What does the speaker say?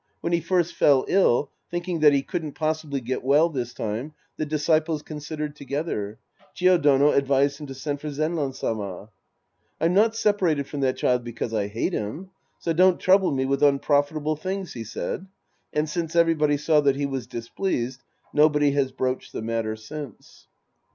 When he first fell ill, thinldng that he couldn't possibly get well this time, the disciples considered together. Chio Dono advised him to send for Zenran Sama. " I'm not separated from that child because I hate him. So don't trouble me with unprofitable things," he said, and, since everybody saw that he was displeas ed, nobody has broached the matter since.